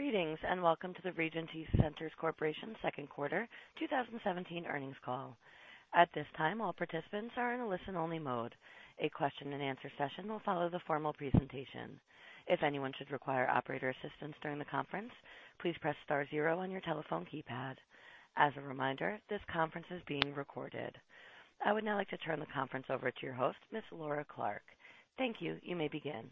Greetings, welcome to the Regency Centers Corporation second quarter 2017 earnings call. At this time, all participants are in a listen-only mode. A question and answer session will follow the formal presentation. If anyone should require operator assistance during the conference, please press star zero on your telephone keypad. As a reminder, this conference is being recorded. I would now like to turn the conference over to your host, Ms. Laura Clark. Thank you. You may begin.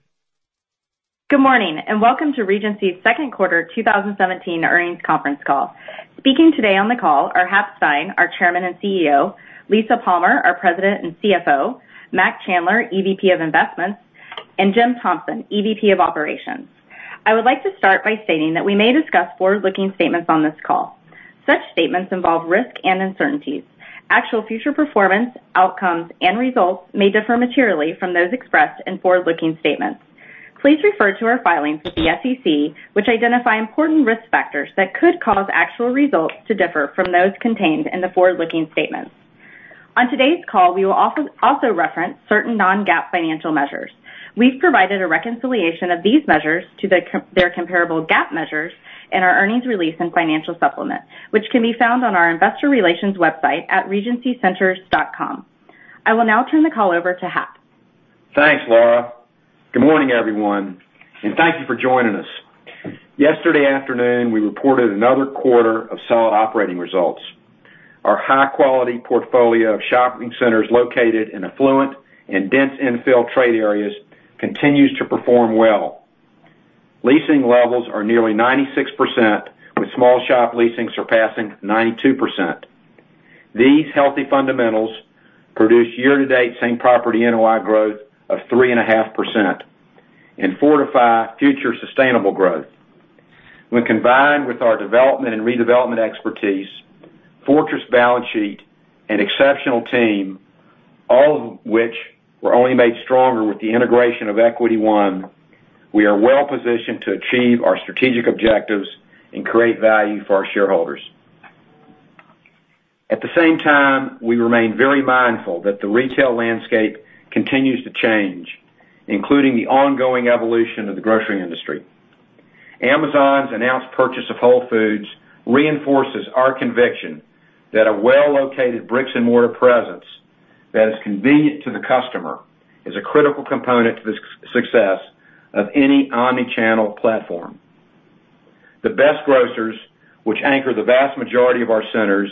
Good morning, welcome to Regency's second quarter 2017 earnings conference call. Speaking today on the call are Hap Stein, our chairman and CEO, Lisa Palmer, our president and CFO, Mac Chandler, EVP of Investments, and Jim Thompson, EVP of Operations. I would like to start by stating that we may discuss forward-looking statements on this call. Such statements involve risk and uncertainties. Actual future performance, outcomes, and results may differ materially from those expressed in forward-looking statements. Please refer to our filings with the SEC, which identify important risk factors that could cause actual results to differ from those contained in the forward-looking statements. On today's call, we will also reference certain non-GAAP financial measures. We've provided a reconciliation of these measures to their comparable GAAP measures in our earnings release and financial supplement, which can be found on our investor relations website at regencycenters.com. I will now turn the call over to Hap. Thanks, Laura. Good morning, everyone, thank you for joining us. Yesterday afternoon, we reported another quarter of solid operating results. Our high-quality portfolio of shopping centers located in affluent and dense infield trade areas continues to perform well. Leasing levels are nearly 96%, with small shop leasing surpassing 92%. These healthy fundamentals produce year-to-date Same Property NOI growth of 3.5% and fortify future sustainable growth. When combined with our development and redevelopment expertise, fortress balance sheet, and exceptional team, all of which were only made stronger with the integration of Equity One, we are well-positioned to achieve our strategic objectives and create value for our shareholders. At the same time, we remain very mindful that the retail landscape continues to change, including the ongoing evolution of the grocery industry. Amazon's announced purchase of Whole Foods reinforces our conviction that a well-located bricks and mortar presence that is convenient to the customer is a critical component to the success of any omnichannel platform. The best grocers, which anchor the vast majority of our centers,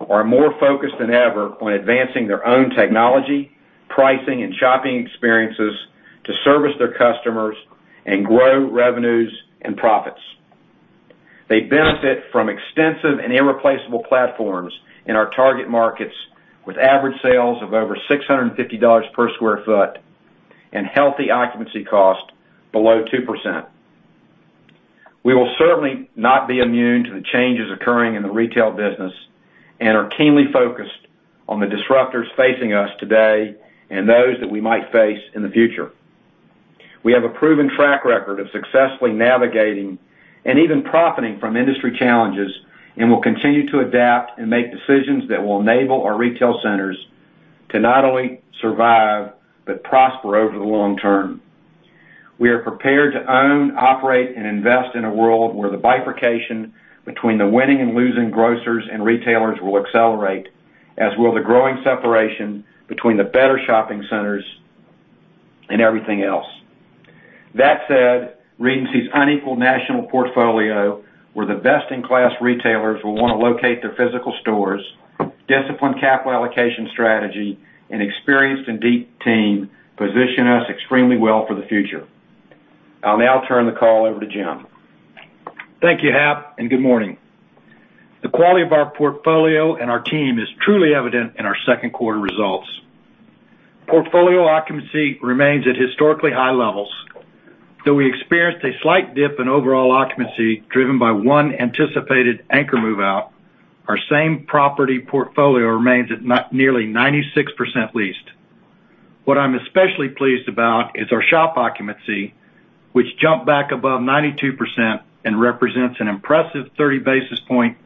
are more focused than ever on advancing their own technology, pricing, and shopping experiences to service their customers and grow revenues and profits. They benefit from extensive and irreplaceable platforms in our target markets, with average sales of over $650 per square foot and healthy occupancy cost below 2%. We will certainly not be immune to the changes occurring in the retail business and are keenly focused on the disruptors facing us today and those that we might face in the future. We have a proven track record of successfully navigating and even profiting from industry challenges and will continue to adapt and make decisions that will enable our retail centers to not only survive, but prosper over the long term. We are prepared to own, operate, and invest in a world where the bifurcation between the winning and losing grocers and retailers will accelerate, as will the growing separation between the better shopping centers and everything else. That said, Regency's unequal national portfolio, where the best-in-class retailers will want to locate their physical stores, disciplined capital allocation strategy, and experienced and deep team position us extremely well for the future. I'll now turn the call over to Jim. Thank you, Hap, and good morning. The quality of our portfolio and our team is truly evident in our second quarter results. Portfolio occupancy remains at historically high levels. Though we experienced a slight dip in overall occupancy driven by one anticipated anchor move-out, our same property portfolio remains at nearly 96% leased. What I'm especially pleased about is our shop occupancy, which jumped back above 92% and represents an impressive 30 basis point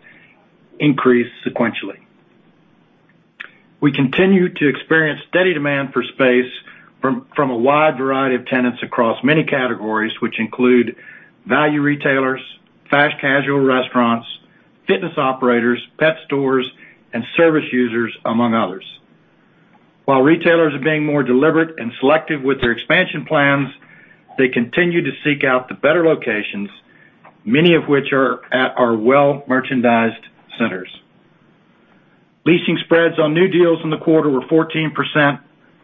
increase sequentially. We continue to experience steady demand for space from a wide variety of tenants across many categories, which include value retailers, fast casual restaurants, fitness operators, pet stores, and service users, among others. While retailers are being more deliberate and selective with their expansion plans, they continue to seek out the better locations, many of which are at our well-merchandised centers. Leasing spreads on new deals in the quarter were 14%,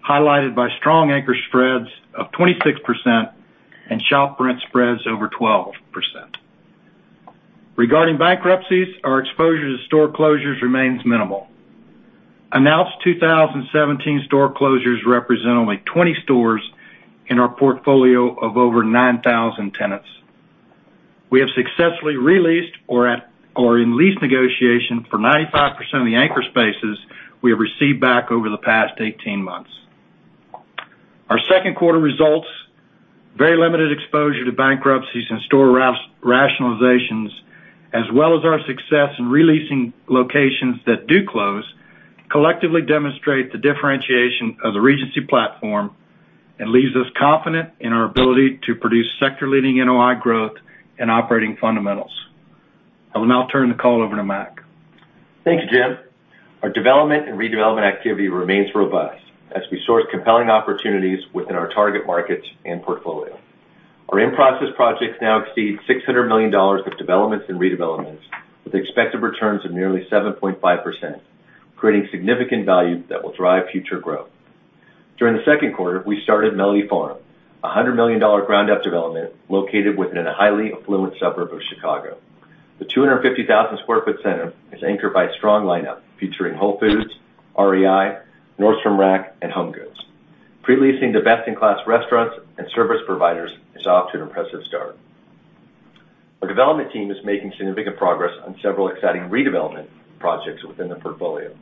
highlighted by strong anchor spreads of 26% and shop rent spreads over 12%. Regarding bankruptcies, our exposure to store closures remains minimal. Announced 2017 store closures represent only 20 stores in our portfolio of over 9,000 tenants. We have successfully re-leased or in lease negotiation for 95% of the anchor spaces we have received back over the past 18 months. Our second quarter results, very limited exposure to bankruptcies and store rationalizations, as well as our success in re-leasing locations that do close, collectively demonstrate the differentiation of the Regency platform. Leaves us confident in our ability to produce sector-leading NOI growth and operating fundamentals. I will now turn the call over to Mac. Thank you, Jim. Our development and redevelopment activity remains robust as we source compelling opportunities within our target markets and portfolio. Our in-process projects now exceed $600 million of developments and redevelopments with expected returns of nearly 7.5%, creating significant value that will drive future growth. During the second quarter, we started Mellody Farm, a $100 million ground-up development located within a highly affluent suburb of Chicago. The 250,000 sq ft center is anchored by a strong lineup featuring Whole Foods, REI, Nordstrom Rack and HomeGoods. Pre-leasing the best-in-class restaurants and service providers is off to an impressive start. Our development team is making significant progress on several exciting redevelopment projects within the portfolio.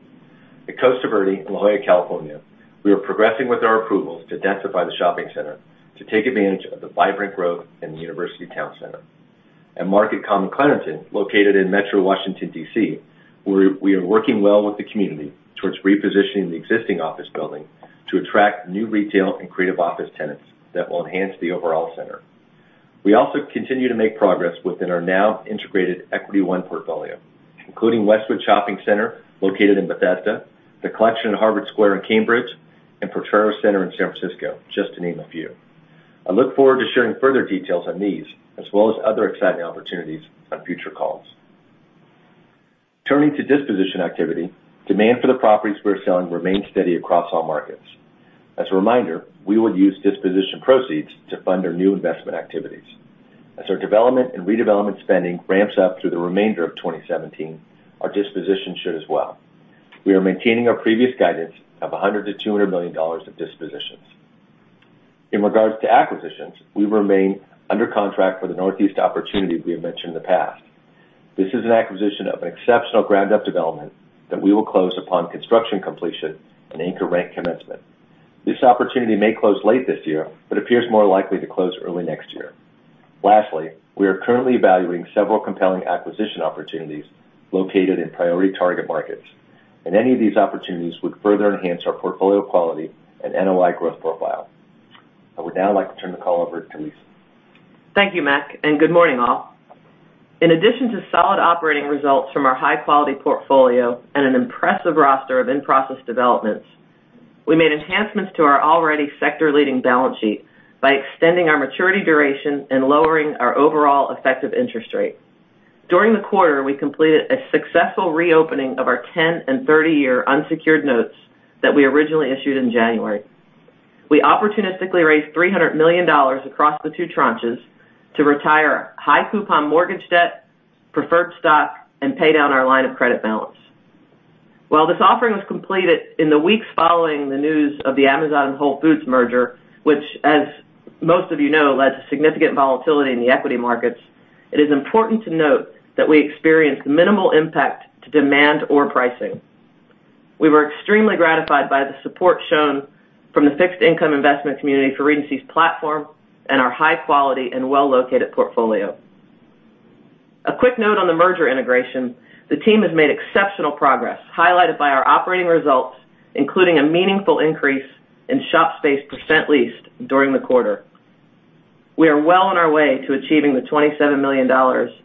At Costa Verde in La Jolla, California, we are progressing with our approvals to densify the shopping center to take advantage of the vibrant growth in the University Town Center. At Market Common Clarendon, located in Metro Washington, D.C., we are working well with the community towards repositioning the existing office building to attract new retail and creative office tenants that will enhance the overall center. We also continue to make progress within our now integrated Equity One portfolio, including Westwood Shopping Center, located in Bethesda, The Collection at Harvard Square in Cambridge, and Potrero Center in San Francisco, just to name a few. I look forward to sharing further details on these, as well as other exciting opportunities on future calls. Turning to disposition activity, demand for the properties we are selling remains steady across all markets. As a reminder, we will use disposition proceeds to fund our new investment activities. As our development and redevelopment spending ramps up through the remainder of 2017, our dispositions should as well. We are maintaining our previous guidance of $100 million-$200 million of dispositions. In regards to acquisitions, we remain under contract for the Northeast opportunity we have mentioned in the past. This is an acquisition of an exceptional ground-up development that we will close upon construction completion and anchor rent commencement. This opportunity may close late this year, but appears more likely to close early next year. Lastly, we are currently evaluating several compelling acquisition opportunities located in priority target markets, and any of these opportunities would further enhance our portfolio quality and NOI growth profile. I would now like to turn the call over to Lisa. Thank you, Mack, and good morning, all. In addition to solid operating results from our high-quality portfolio and an impressive roster of in-process developments, we made enhancements to our already sector-leading balance sheet by extending our maturity duration and lowering our overall effective interest rate. During the quarter, we completed a successful reopening of our 10- and 30-year unsecured notes that we originally issued in January. We opportunistically raised $300 million across the two tranches to retire high coupon mortgage debt, preferred stock, and pay down our line of credit balance. While this offering was completed in the weeks following the news of the Amazon and Whole Foods merger, which, as most of you know, led to significant volatility in the equity markets, it is important to note that we experienced minimal impact to demand or pricing. We were extremely gratified by the support shown from the fixed-income investment community for Regency's platform and our high quality and well-located portfolio. A quick note on the merger integration. The team has made exceptional progress, highlighted by our operating results, including a meaningful increase in shop space percent leased during the quarter. We are well on our way to achieving the $27 million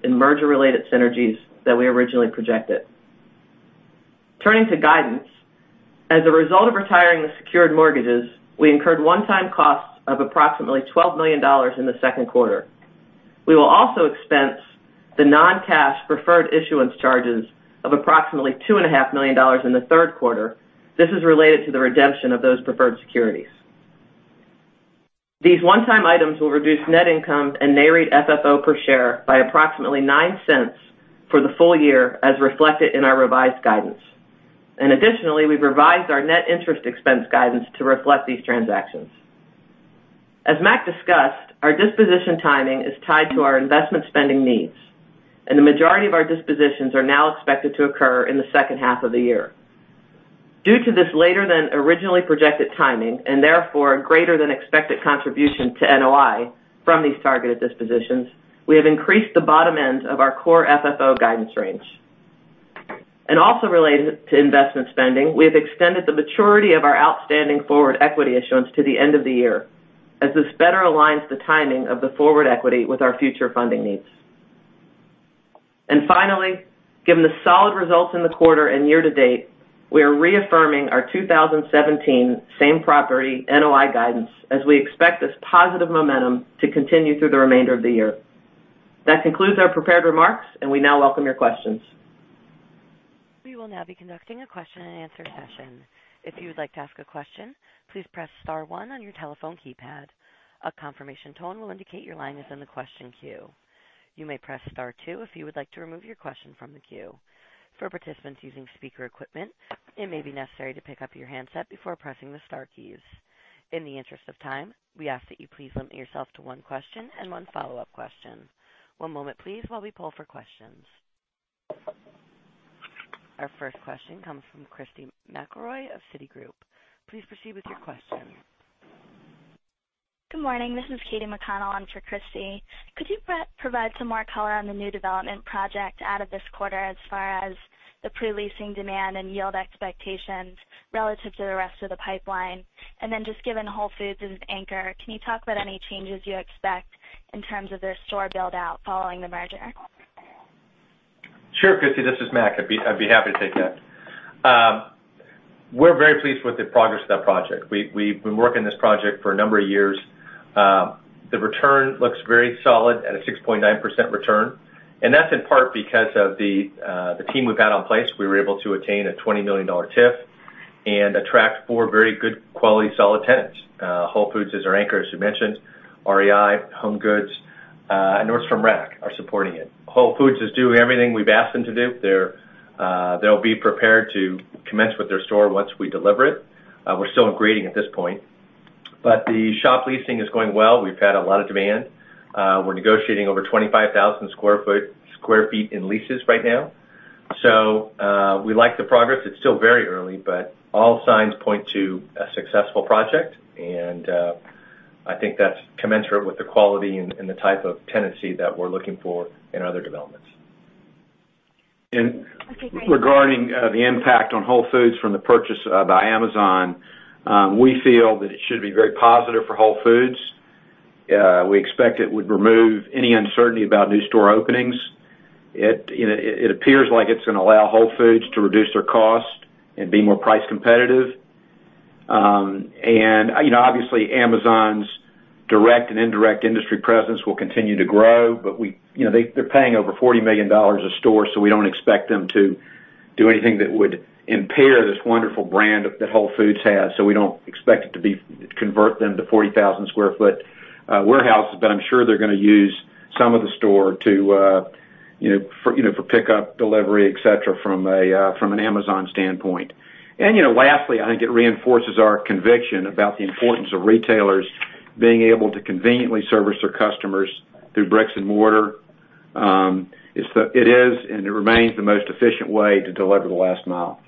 in merger-related synergies that we originally projected. Turning to guidance, as a result of retiring the secured mortgages, we incurred one-time costs of approximately $12 million in the second quarter. We will also expense the non-cash preferred issuance charges of approximately $2.5 million in the third quarter. This is related to the redemption of those preferred securities. These one-time items will reduce net income and Nareit FFO per share by approximately $0.09 for the full year, as reflected in our revised guidance. Additionally, we've revised our net interest expense guidance to reflect these transactions. As Mac discussed, our disposition timing is tied to our investment spending needs, and the majority of our dispositions are now expected to occur in the second half of the year. Due to this later than originally projected timing, and therefore greater than expected contribution to NOI from these targeted dispositions, we have increased the bottom end of our core FFO guidance range. Also related to investment spending, we have extended the maturity of our outstanding forward equity issuance to the end of the year, as this better aligns the timing of the forward equity with our future funding needs. Finally, given the solid results in the quarter and year to date, we are reaffirming our 2017 Same Property NOI guidance as we expect this positive momentum to continue through the remainder of the year. That concludes our prepared remarks, and we now welcome your questions. We will now be conducting a question-and-answer session. If you would like to ask a question, please press star one on your telephone keypad. A confirmation tone will indicate your line is in the question queue. You may press star two if you would like to remove your question from the queue. For participants using speaker equipment, it may be necessary to pick up your handset before pressing the star keys. In the interest of time, we ask that you please limit yourself to one question and one follow-up question. One moment, please, while we poll for questions. Our first question comes from Christy McElroy of Citigroup. Please proceed with your question. Good morning, this is Katy McConnell in for Christy. Could you provide some more color on the new development project out of this quarter as far as the pre-leasing demand and yield expectations relative to the rest of the pipeline? Just given Whole Foods as an anchor, can you talk about any changes you expect in terms of their store build-out following the merger? Sure, Christy, this is Mac. I'd be happy to take that. We're very pleased with the progress of that project. We've been working on this project for a number of years. The return looks very solid at a 6.9% return, and that's in part because of the team we've got on place. We were able to attain a $20 million TIF and attract four very good quality solid tenants. Whole Foods is our anchor, as you mentioned, REI, HomeGoods, and Nordstrom Rack are supporting it. Whole Foods is doing everything we've asked them to do. They'll be prepared to commence with their store once we deliver it. We're still grading at this point, but the shop leasing is going well. We've had a lot of demand. We're negotiating over 25,000 square feet in leases right now. We like the progress. It's still very early, all signs point to a successful project, I think that's commensurate with the quality and the type of tenancy that we're looking for in other developments. Regarding the impact on Whole Foods from the purchase by Amazon, we feel that it should be very positive for Whole Foods. We expect it would remove any uncertainty about new store openings. It appears like it's going to allow Whole Foods to reduce their cost and be more price competitive. Obviously, Amazon's direct and indirect industry presence will continue to grow. They're paying over $40 million a store, we don't expect them to do anything that would impair this wonderful brand that Whole Foods has. We don't expect it to convert them to 40,000 square foot warehouses, I'm sure they're going to use some of the store for pickup, delivery, et cetera, from an Amazon standpoint. Lastly, I think it reinforces our conviction about the importance of retailers being able to conveniently service their customers through bricks and mortar. It is, and it remains the most efficient way to deliver the last mile.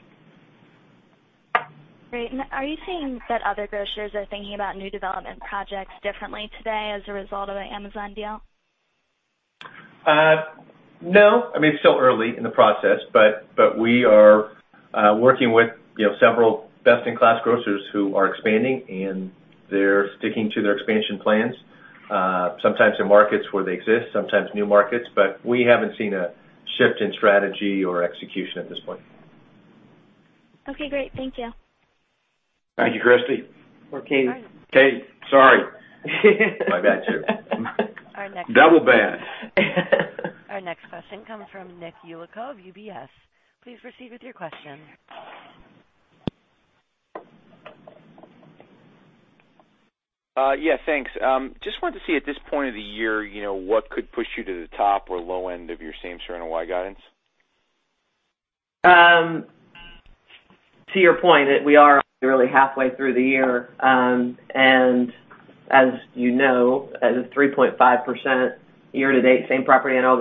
Great. Are you seeing that other grocers are thinking about new development projects differently today as a result of the Amazon deal? No. It's still early in the process, we are working with several best-in-class grocers who are expanding, they're sticking to their expansion plans. Sometimes in markets where they exist, sometimes new markets, we haven't seen a shift in strategy or execution at this point. Okay, great. Thank you. Thank you, Christy. Katie. Katy. Sorry. My bad too. Our next- Double bad. Our next question comes from Nick Yulico of UBS. Please proceed with your question. Thanks. Just wanted to see at this point of the year, what could push you to the top or low end of your same store NOI guidance? To your point, we are really halfway through the year. As you know, the 3.5% year-to-date, Same Property NOI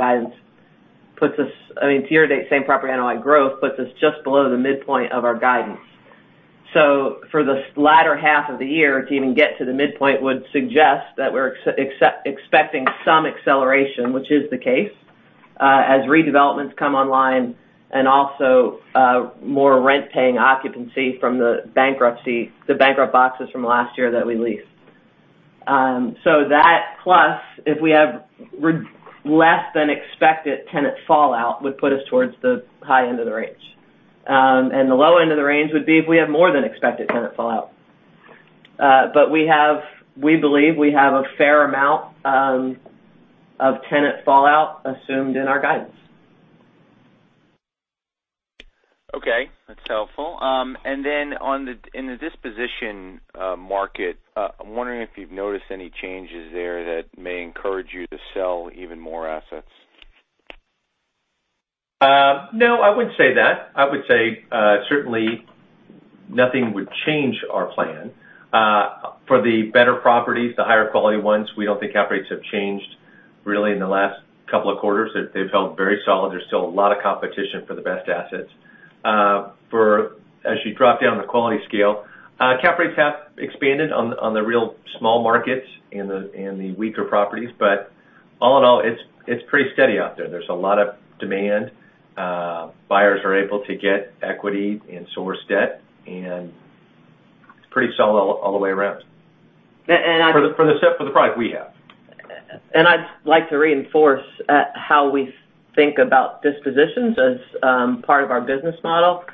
growth puts us just below the midpoint of our guidance. For the latter half of the year, to even get to the midpoint would suggest that we're expecting some acceleration, which is the case, as redevelopments come online and also more rent-paying occupancy from the bankrupt boxes from last year that we leased. That plus, if we have less than expected tenant fallout, would put us towards the high end of the range. The low end of the range would be if we have more than expected tenant fallout. We believe we have a fair amount of tenant fallout assumed in our guidance. Okay, that's helpful. Then in the disposition market, I'm wondering if you've noticed any changes there that may encourage you to sell even more assets. No, I wouldn't say that. I would say, certainly nothing would change our plan. For the better properties, the higher quality ones, we don't think cap rates have changed really in the last couple of quarters. They've held very solid. There's still a lot of competition for the best assets. As you drop down the quality scale, cap rates have expanded on the real small markets and the weaker properties. All in all, it's pretty steady out there. There's a lot of demand. Buyers are able to get equity and source debt, it's pretty solid all the way around. And I- For the product we have. I'd like to reinforce how we think about dispositions as part of our business model.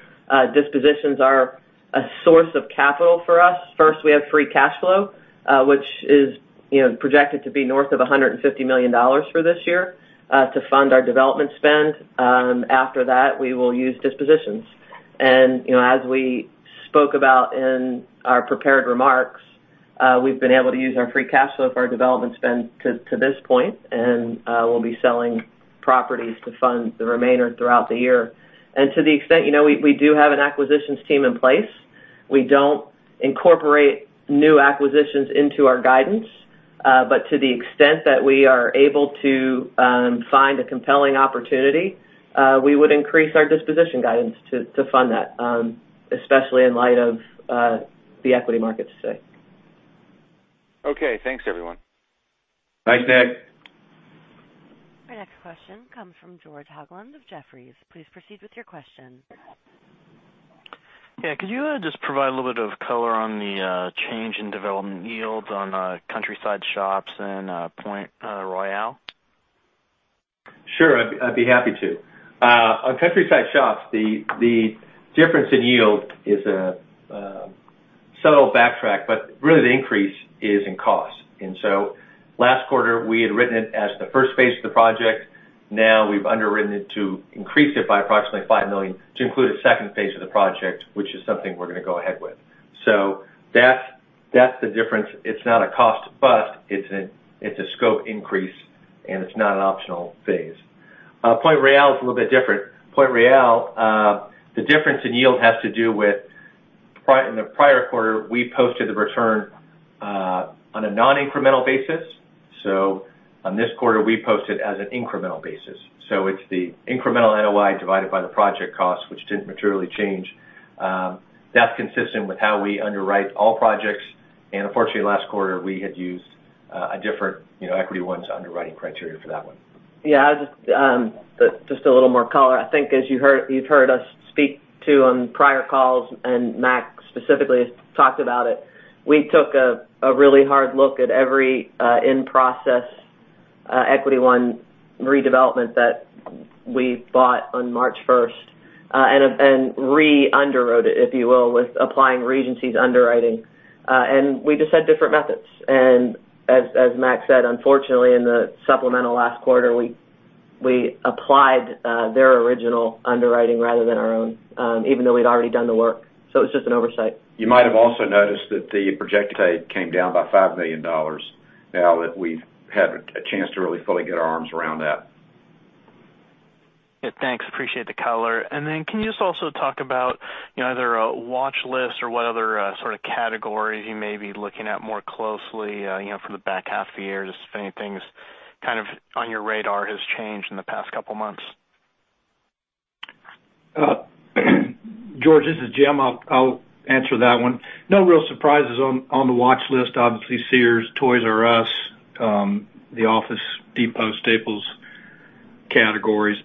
Dispositions are a source of capital for us. First, we have free cash flow, which is projected to be north of $150 million for this year, to fund our development spend. After that, we will use dispositions. As we spoke about in our prepared remarks, we've been able to use our free cash flow for our development spend to this point, and we'll be selling properties to fund the remainder throughout the year. To the extent, we do have an acquisitions team in place. We don't incorporate new acquisitions into our guidance. To the extent that we are able to find a compelling opportunity, we would increase our disposition guidance to fund that, especially in light of the equity market today. Okay. Thanks, everyone. Thanks, Nick. Our next question comes from George Hoglund of Jefferies. Please proceed with your question. Yeah. Could you just provide a little bit of color on the change in development yields on Countryside Shops and Pointe Royale? Sure, I'd be happy to. On Countryside Shops, the difference in yield is a subtle backtrack, but really the increase is in cost. Last quarter, we had written it as the first phase of the project. Now we've underwritten it to increase it by approximately $5 million to include a second phase of the project, which is something we're going to go ahead with. That's the difference. It's not a cost bust, it's a scope increase, and it's not an optional phase. Pointe Royale is a little bit different. Pointe Royale, the difference in yield has to do with, in the prior quarter, we posted the return on a non-incremental basis. On this quarter, we post it as an incremental basis. It's the incremental NOI divided by the project cost, which didn't materially change. That's consistent with how we underwrite all projects. Unfortunately, last quarter, we had used a different Equity One's underwriting criteria for that one. Yeah. Just a little more color. I think as you've heard us speak too on prior calls, and Mac specifically has talked about it, we took a really hard look at every in-process Equity One redevelopment that we bought on March 1st. Re-underwrote it, if you will, with applying Regency's underwriting. We just had different methods. As Mac said, unfortunately, in the supplemental last quarter, we applied their original underwriting rather than our own, even though we'd already done the work. It's just an oversight. You might have also noticed that the project tape came down by $5 million now that we've had a chance to really fully get our arms around that. Yeah, thanks. Appreciate the color. Then can you just also talk about either a watch list or what other sort of categories you may be looking at more closely from the back half of the year, just if anything's kind of on your radar has changed in the past couple of months? George, this is Jim. I'll answer that one. No real surprises on the watch list. Obviously, Sears, Toys R Us, the Office Depot, Staples categories.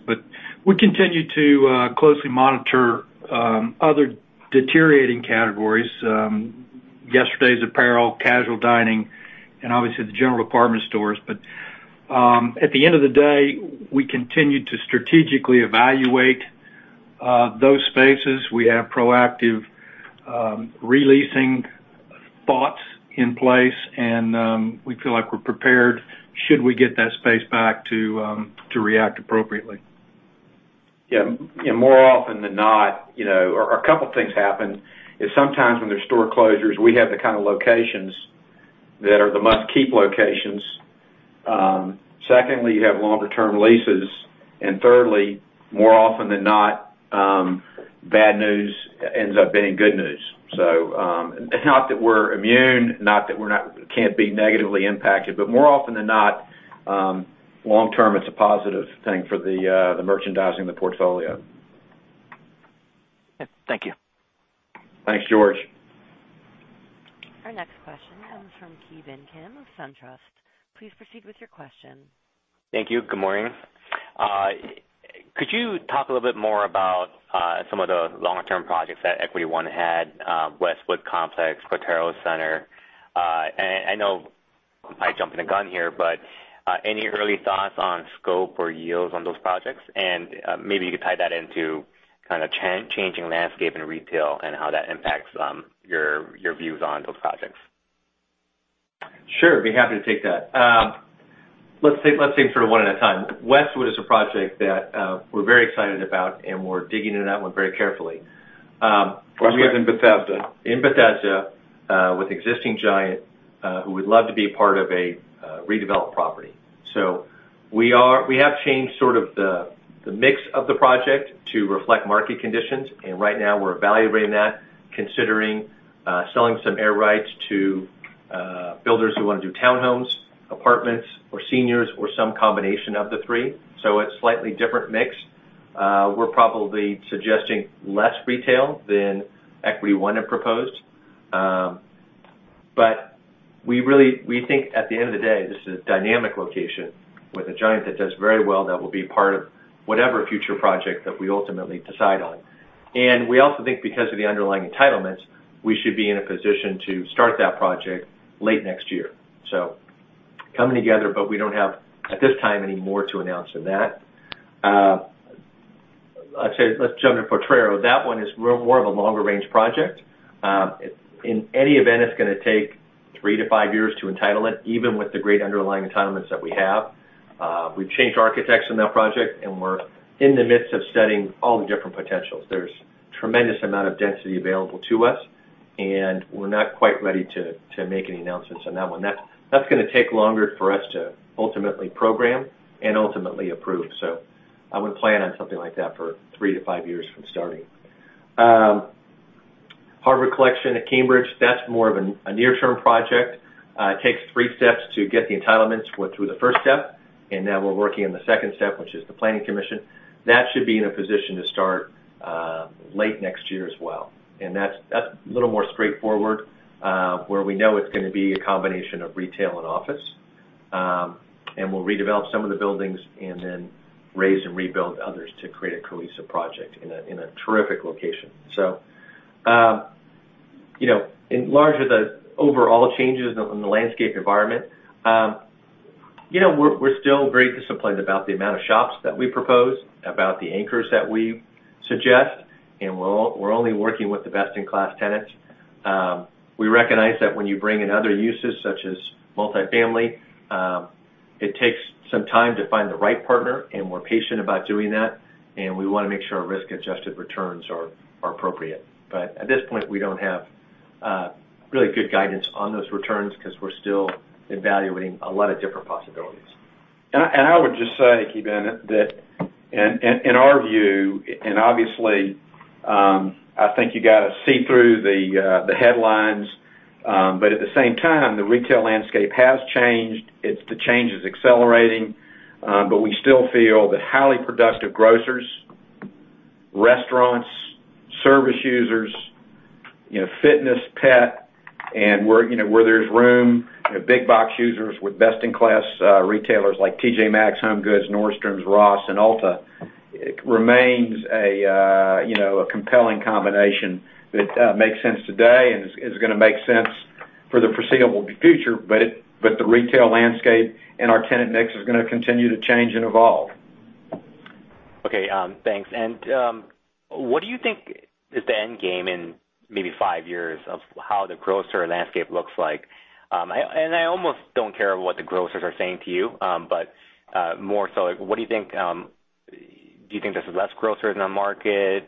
We continue to closely monitor other deteriorating categories. Yesterday's apparel, casual dining, and obviously the general department stores. At the end of the day, we continue to strategically evaluate those spaces. We have proactive re-leasing thoughts in place, and we feel like we're prepared should we get that space back to react appropriately. Yeah. More often than not, a couple of things happen, is sometimes when there's store closures, we have the kind of locations that are the must-keep locations. Secondly, you have longer-term leases. Thirdly, more often than not, bad news ends up being good news. Not that we're immune, not that we can't be negatively impacted, but more often than not, long term, it's a positive thing for the merchandising the portfolio. Thank you. Thanks, George. Our next question comes from Ki Bin Kim of SunTrust. Please proceed with your question. Thank you. Good morning. Could you talk a little bit more about some of the long-term projects that Equity One had, Westwood Complex, Potrero Center? I know I might be jumping the gun here, but any early thoughts on scope or yields on those projects? Maybe you could tie that into kind of changing landscape in retail and how that impacts your views on those projects. Sure, be happy to take that. Let's take sort of one at a time. Westwood is a project that we're very excited about, and we're digging into that one very carefully. Westwood in Bethesda. In Bethesda, with existing Giant, who would love to be a part of a redeveloped property. We have changed sort of the mix of the project to reflect market conditions, and right now we're evaluating that, considering selling some air rights to builders who want to do townhomes, apartments for seniors, or some combination of the three. It's slightly different mix. We're probably suggesting less retail than Equity One had proposed. We think at the end of the day, this is a dynamic location with a Giant that does very well that will be part of whatever future project that we ultimately decide on. We also think because of the underlying entitlements, we should be in a position to start that project late next year. Coming together, but we don't have at this time any more to announce than that. I'd say let's jump into Potrero. That one is more of a longer-range project. In any event, it's going to take three to five years to entitle it, even with the great underlying entitlements that we have. We've changed architects on that project, and we're in the midst of studying all the different potentials. There's tremendous amount of density available to us, and we're not quite ready to make any announcements on that one. That's going to take longer for us to ultimately program and ultimately approve. I would plan on something like that for three to five years from starting. Harvard Collection at Cambridge, that's more of a near-term project. It takes 3 steps to get the entitlements. We're through the first step, now we're working on the second step, which is the planning commission. That should be in a position to start late next year as well, that's a little more straightforward, where we know it's going to be a combination of retail and office. We'll redevelop some of the buildings and then raze and rebuild others to create a cohesive project in a terrific location. The overall changes in the landscape environment, we're still very disciplined about the amount of shops that we propose, about the anchors that we suggest, and we're only working with the best-in-class tenants. We recognize that when you bring in other uses, such as multi-family, it takes some time to find the right partner, we're patient about doing that, we want to make sure our risk-adjusted returns are appropriate. At this point, we don't have really good guidance on those returns because we're still evaluating a lot of different possibilities. I would just say, Ki Bin, that in our view, obviously, I think you got to see through the headlines, at the same time, the retail landscape has changed. The change is accelerating. We still feel that highly productive grocers, restaurants, service users, fitness, pet, and where there's room, big box users with best-in-class retailers like TJ Maxx, HomeGoods, Nordstrom, Ross, and Ulta, remains a compelling combination that makes sense today and is going to make sense for the foreseeable future. The retail landscape and our tenant mix is going to continue to change and evolve. Okay, thanks. What do you think is the end game in maybe five years of how the grocer landscape looks like? I almost don't care what the grocers are saying to you, more so, what do you think, do you think there's less grocers in the market?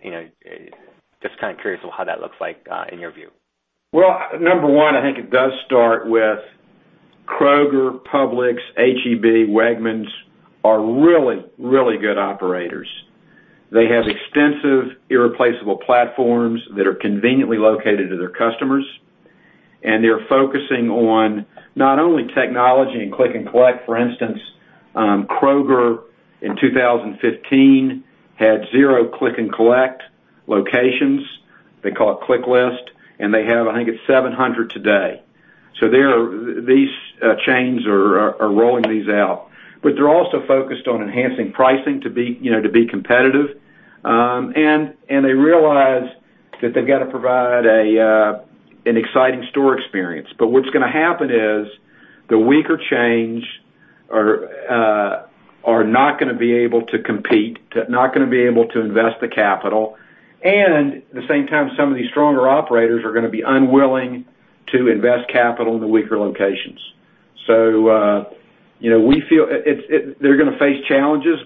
Just kind of curious how that looks like in your view. Number one, I think it does start with Kroger, Publix, H-E-B, Wegmans are really, really good operators. They have extensive, irreplaceable platforms that are conveniently located to their customers, and they're focusing on not only technology and click and collect. For instance, Kroger in 2015, had zero click and collect locations. They call it ClickList, and they have, I think it's 700 today. These chains are rolling these out. They're also focused on enhancing pricing to be competitive. They realize that they've got to provide an exciting store experience. What's going to happen is the weaker chains are not going to be able to compete, not going to be able to invest the capital, and at the same time, some of these stronger operators are going to be unwilling to invest capital in the weaker locations. We feel they're going to face challenges.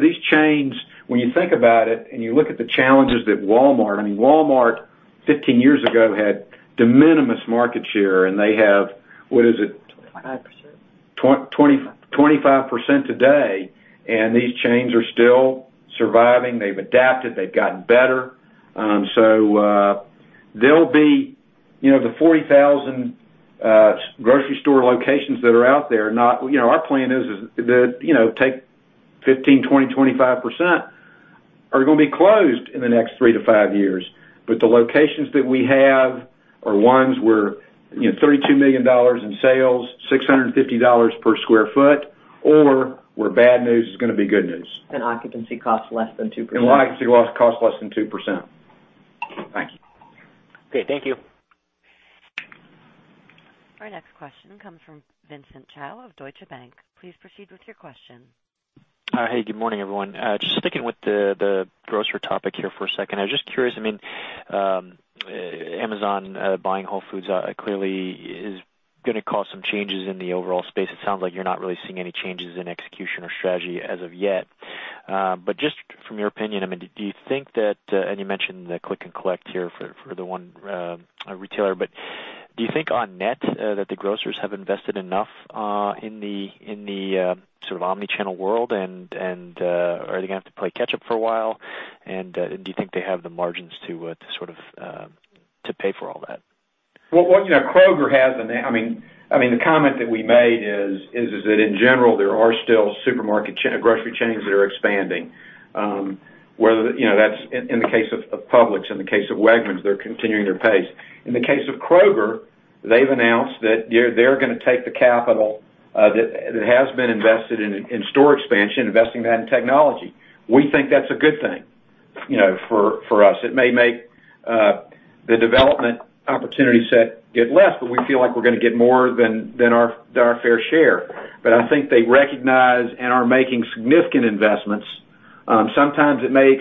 These chains, when you think about it, and you look at the challenges that Walmart, I mean, Walmart, 15 years ago, had de minimis market share, and they have, what is it? 25%. 25% today, these chains are still surviving. They've adapted, they've gotten better. There'll be the 40,000 grocery store locations that are out there, our plan is that take 15%, 20%, 25%, are going to be closed in the next three to five years. The locations that we have are ones where $32 million in sales, $650 per sq ft, or where bad news is going to be good news. Occupancy costs less than 2%. Occupancy costs less than 2%. Thank you. Okay, thank you. Our next question comes from Vincent Chao of Deutsche Bank. Please proceed with your question. Good morning, everyone. Just sticking with the grocer topic here for a second. I was just curious, Amazon buying Whole Foods clearly is going to cause some changes in the overall space. It sounds like you're not really seeing any changes in execution or strategy as of yet. Just from your opinion, do you think that, and you mentioned the Click and Collect here for the one retailer, but do you think on net that the grocers have invested enough in the sort of omnichannel world, and are they going to have to play catch up for a while? Do you think they have the margins to pay for all that? The comment that we made is that in general, there are still supermarket grocery chains that are expanding. Whether that's in the case of Publix, in the case of Wegmans, they're continuing their pace. In the case of Kroger, they've announced that they're going to take the capital that has been invested in store expansion, investing that in technology. We think that's a good thing for us. It may make the development opportunity set get less, but we feel like we're going to get more than our fair share. I think they recognize and are making significant investments. Sometimes it may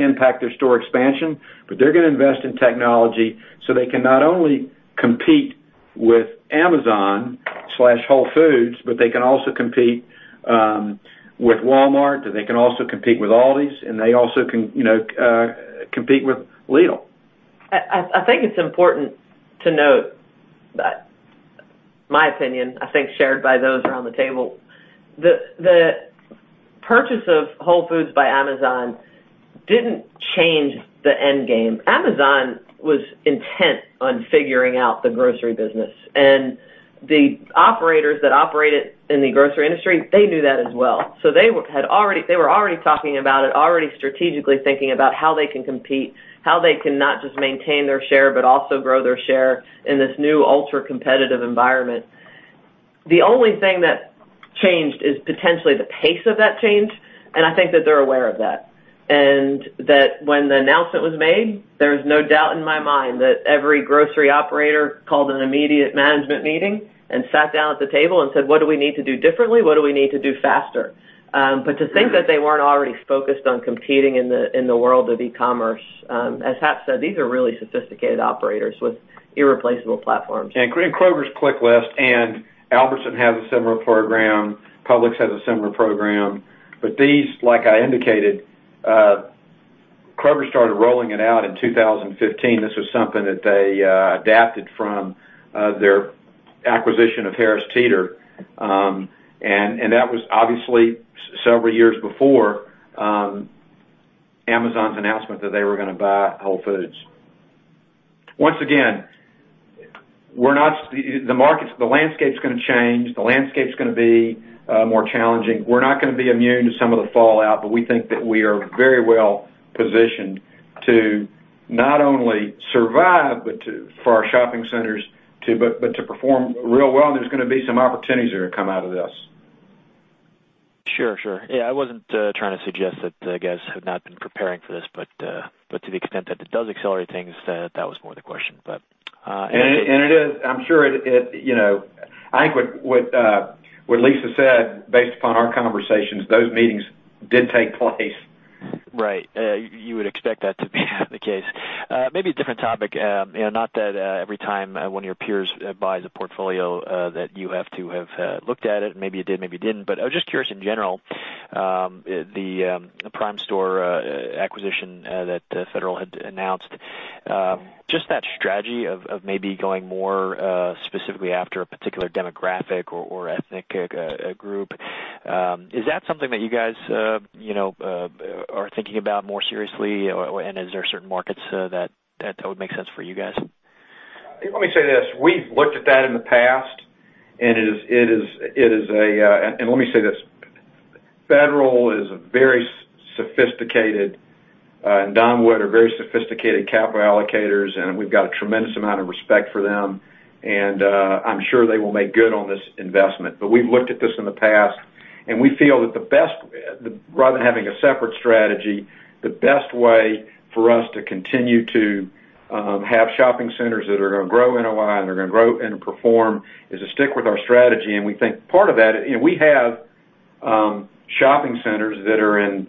impact their store expansion, but they're going to invest in technology so they can not only compete with Amazon/Whole Foods, but they can also compete with Walmart, and they can also compete with Aldi, and they also can compete with Lidl. I think it's important to note. My opinion, I think, shared by those around the table. The purchase of Whole Foods by Amazon didn't change the end game. Amazon was intent on figuring out the grocery business and the operators that operated in the grocery industry, they knew that as well. They were already talking about it, already strategically thinking about how they can compete, how they can not just maintain their share, but also grow their share in this new ultra-competitive environment. The only thing that changed is potentially the pace of that change, and I think that they're aware of that, and that when the announcement was made, there is no doubt in my mind that every grocery operator called an immediate management meeting and sat down at the table and said, "What do we need to do differently? What do we need to do faster? To think that they weren't already focused on competing in the world of e-commerce, as Hap said, these are really sophisticated operators with irreplaceable platforms. Kroger's ClickList, Albertsons has a similar program. Publix has a similar program. These, like I indicated, Kroger started rolling it out in 2015. This was something that they adapted from their acquisition of Harris Teeter. That was obviously several years before Amazon's announcement that they were going to buy Whole Foods. Once again, the landscape's going to change. The landscape's going to be more challenging. We're not going to be immune to some of the fallout, we think that we are very well-positioned to not only survive, but for our shopping centers, to perform real well, there's going to be some opportunities that are going to come out of this. Sure. Yeah, I wasn't trying to suggest that you guys have not been preparing for this, to the extent that it does accelerate things, that was more the question. It is. I think what Lisa said, based upon our conversations, those meetings did take place. Right. You would expect that to be the case. Maybe a different topic. Not that every time one of your peers buys a portfolio that you have to have looked at it. Maybe you did, maybe you didn't. I was just curious in general, the Primestor acquisition that Federal had announced. Just that strategy of maybe going more specifically after a particular demographic or ethnic group. Is that something that you guys are thinking about more seriously? Is there certain markets that would make sense for you guys? Let me say this. We've looked at that in the past, let me say this, Federal is a very sophisticated Don Wood are very sophisticated capital allocators, I'm sure they will make good on this investment. We've looked at this in the past, and we feel that rather than having a separate strategy, the best way for us to continue to have shopping centers that are going to grow NOI and are going to grow and perform, is to stick with our strategy. We think part of that, we have shopping centers that are in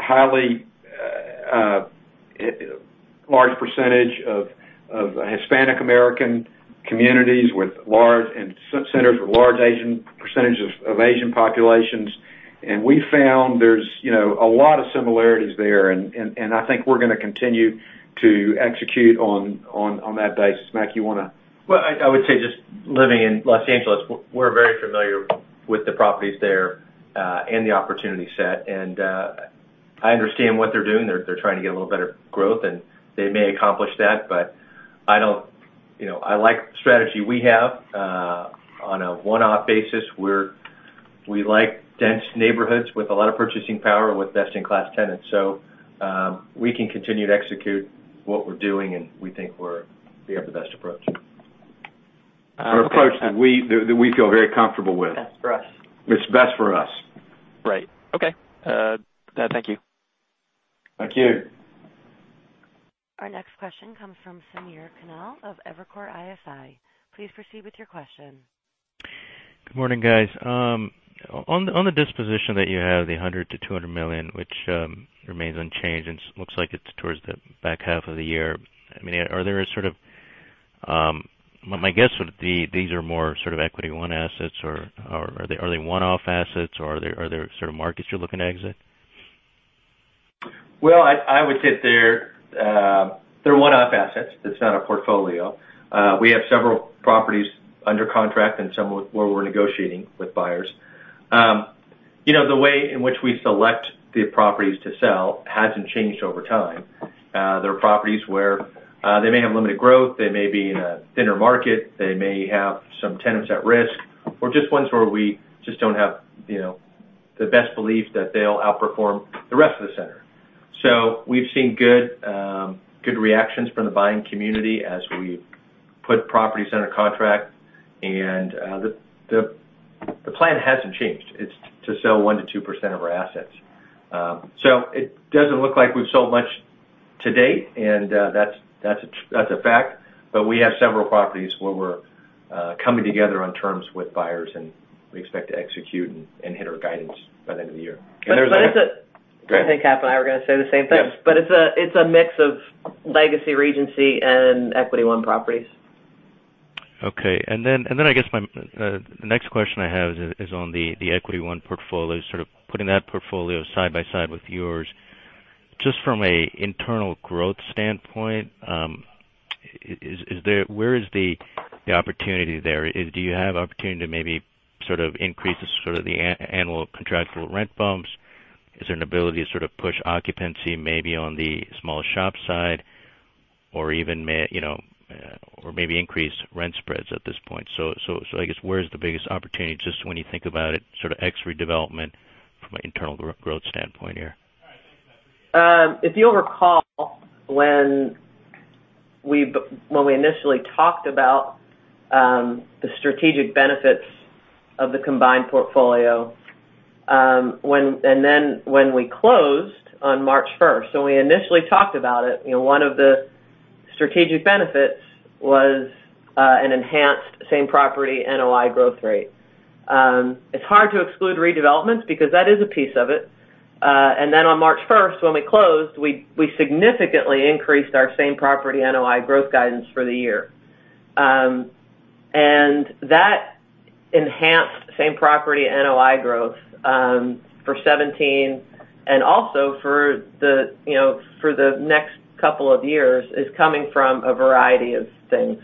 highly large percentage of Hispanic American communities with large and centers with large Asian percentage of populations. We found there's a lot of similarities there, I think we're going to continue to execute on that basis. Mac, you want to- Well, I would say just living in Los Angeles, we're very familiar with the properties there, and the opportunity set. I understand what they're doing. They're trying to get a little better growth, they may accomplish that, I like the strategy we have on a one-off basis, we like dense neighborhoods with a lot of purchasing power with best-in-class tenants. We can continue to execute what we're doing, we think we have the best approach. An approach that we feel very comfortable with. That's best for us. It's best for us. Right. Okay. Thank you. Thank you. Our next question comes from Samir Khanal of Evercore ISI. Please proceed with your question. Good morning, guys. On the disposition that you have, the $100 million-$200 million, which remains unchanged, looks like it's towards the back half of the year. My guess would be these are more sort of Equity One assets or are they one-off assets, are there sort of markets you're looking to exit? Well, I would say they're one-off assets. It's not a portfolio. We have several properties under contract and some where we're negotiating with buyers. The way in which we select the properties to sell hasn't changed over time. There are properties where they may have limited growth, they may be in a thinner market, they may have some tenants at risk, or just ones where we just don't have the best belief that they'll outperform the rest of the center. We've seen good reactions from the buying community as we've put properties under contract. The plan hasn't changed. It's to sell 1%-2% of our assets. It doesn't look like we've sold much to date, that's a fact. We have several properties where we're coming together on terms with buyers, and we expect to execute and hit our guidance by the end of the year. But it's a- Go ahead. I think Hap and I were going to say the same thing. Yeah. It's a mix of Legacy, Regency, and Equity One properties. I guess my next question I have is on the Equity One portfolio, sort of putting that portfolio side by side with yours. Just from an internal growth standpoint, where is the opportunity there? Do you have opportunity to maybe increase the annual contractual rent bumps? Is there an ability to push occupancy maybe on the small shop side, or maybe increase rent spreads at this point? I guess, where is the biggest opportunity just when you think about it, ex-redevelopment from an internal growth standpoint here? If you'll recall, when we initially talked about the strategic benefits of the combined portfolio, when we closed on March 1st. We initially talked about it, one of the strategic benefits was an enhanced Same Property NOI growth rate. It's hard to exclude redevelopments because that is a piece of it. On March 1st, when we closed, we significantly increased our Same Property NOI growth guidance for the year. That enhanced Same Property NOI growth for 2017, also for the next couple of years, is coming from a variety of things.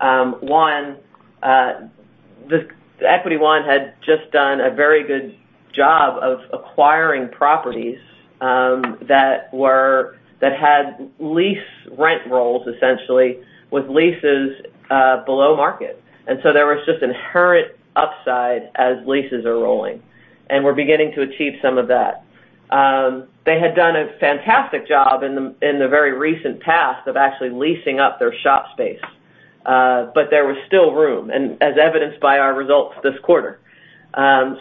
One, Equity One had just done a very good job of acquiring properties that had lease rent rolls, essentially, with leases below market. There was just inherent upside as leases are rolling. We're beginning to achieve some of that. They had done a fantastic job in the very recent past of actually leasing up their shop space. There was still room, as evidenced by our results this quarter. Some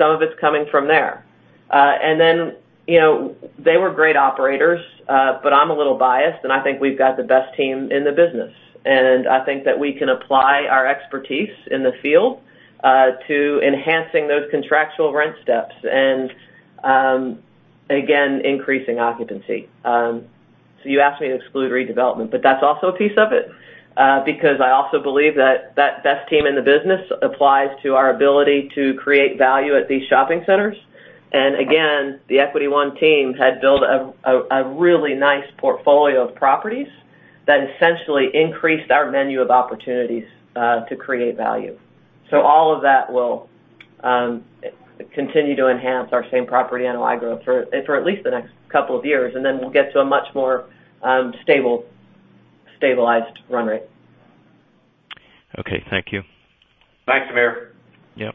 of it's coming from there. They were great operators, but I'm a little biased, and I think we've got the best team in the business. I think that we can apply our expertise in the field to enhancing those contractual rent steps and, again, increasing occupancy. You asked me to exclude redevelopment, but that's also a piece of it, because I also believe that that best team in the business applies to our ability to create value at these shopping centers. Again, the Equity One team had built a really nice portfolio of properties that essentially increased our menu of opportunities to create value. All of that will continue to enhance our Same Property NOI growth for at least the next couple of years, and then we'll get to a much more stabilized run rate. Okay. Thank you. Thanks, Samir. Yep.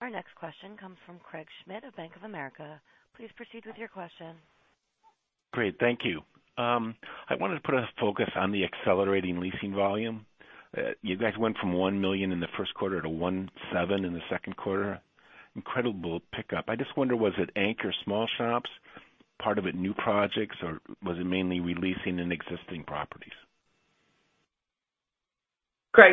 Our next question comes from Craig Schmidt of Bank of America. Please proceed with your question. Great. Thank you. I wanted to put a focus on the accelerating leasing volume. You guys went from $1 million in the first quarter to $1.7 million in the second quarter. Incredible pickup. I just wonder, was it anchor small shops, part of it new projects, or was it mainly re-leasing in existing properties? Craig,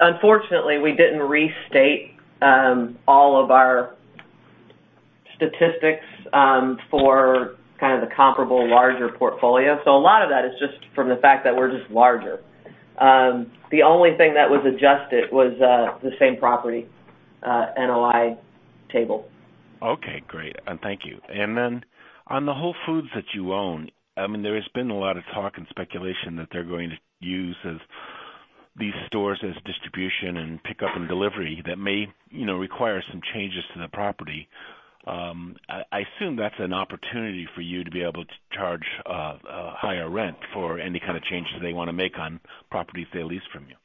unfortunately, we didn't restate all of our statistics for the comparable larger portfolio. A lot of that is just from the fact that we're just larger. The only thing that was adjusted was the Same Property NOI table. Okay, great. Thank you. Then on the Whole Foods that you own, there has been a lot of talk and speculation that they're going to use these stores as distribution and pickup and delivery that may require some changes to the property. I assume that's an opportunity for you to be able to charge a higher rent for any kind of changes they want to make on properties they lease from you.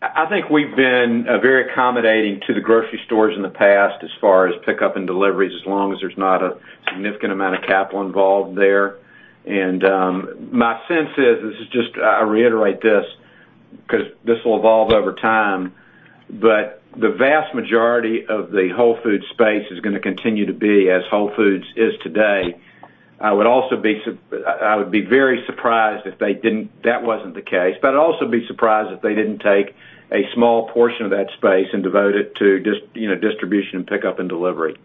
I think we've been very accommodating to the grocery stores in the past as far as pickup and deliveries, as long as there's not a significant amount of capital involved there. My sense is, I reiterate this because this will evolve over time, but the vast majority of the Whole Foods space is going to continue to be as Whole Foods is today. I would be very surprised if that wasn't the case, but I'd also be surprised if they didn't take a small portion of that space and devote it to just distribution, pickup, and delivery.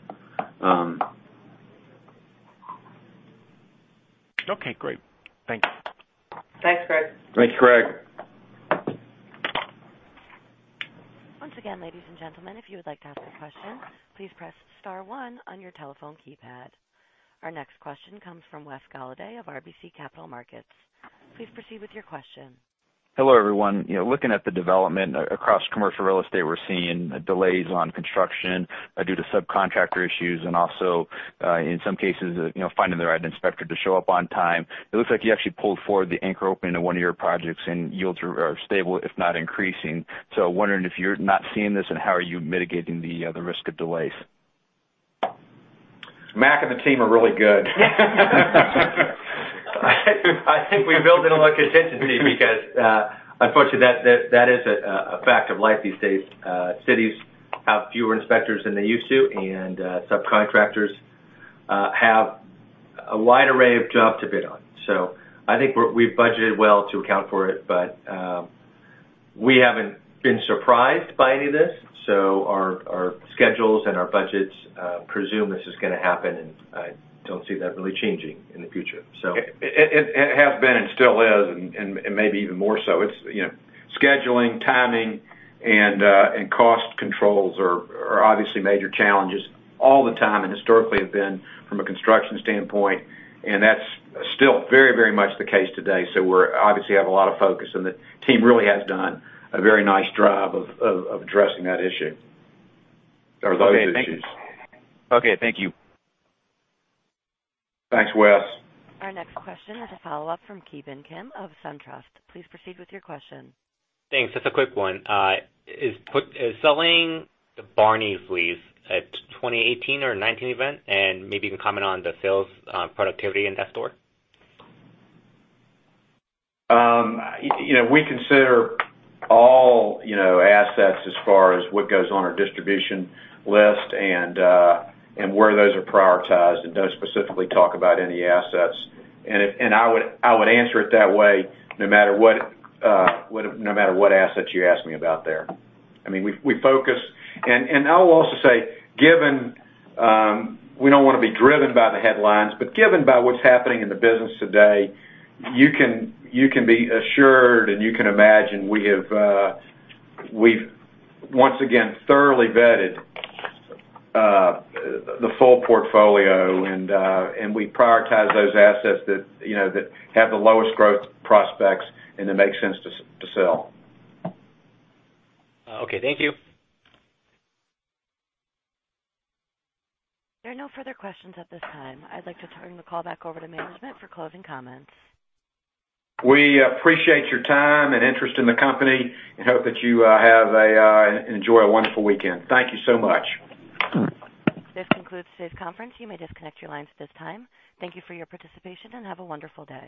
Okay, great. Thanks. Thanks, Craig. Thanks, Craig. Once again, ladies and gentlemen, if you would like to ask a question, please press star one on your telephone keypad. Our next question comes from Wes Golladay of RBC Capital Markets. Please proceed with your question. Hello, everyone. Looking at the development across commercial real estate, we're seeing delays on construction due to subcontractor issues and also, in some cases, finding the right inspector to show up on time. It looks like you actually pulled forward the anchor opening of one of your projects and yields are stable, if not increasing. Wondering if you're not seeing this, and how are you mitigating the risk of delays? Mac and the team are really good. I think we built in a little contingency because, unfortunately, that is a fact of life these days. Cities have fewer inspectors than they used to, and subcontractors have a wide array of jobs to bid on. I think we've budgeted well to account for it, but we haven't been surprised by any of this. Our schedules and our budgets presume this is going to happen, and I don't see that really changing in the future. It has been and still is, and maybe even more so. Scheduling, timing, and cost controls are obviously major challenges all the time, and historically have been from a construction standpoint, and that's still very much the case today. We obviously have a lot of focus and the team really has done a very nice job of addressing that issue or those issues. Okay, thank you. Thanks, Wes. Our next question is a follow-up from Ki Bin Kim of SunTrust. Please proceed with your question. Thanks. Just a quick one. Is selling the Barneys lease a 2018 or 2019 event? Maybe you can comment on the sales productivity in that store. We consider all assets as far as what goes on our distribution list and where those are prioritized and don't specifically talk about any assets. I would answer it that way no matter what asset you ask me about there. I will also say, given we don't want to be driven by the headlines, but given by what's happening in the business today, you can be assured and you can imagine we've once again thoroughly vetted the full portfolio and we prioritize those assets that have the lowest growth prospects and that make sense to sell. Okay, thank you. There are no further questions at this time. I'd like to turn the call back over to management for closing comments. We appreciate your time and interest in the company and hope that you enjoy a wonderful weekend. Thank you so much. This concludes today's conference. You may disconnect your lines at this time. Thank you for your participation, and have a wonderful day.